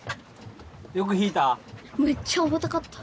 よく引いた？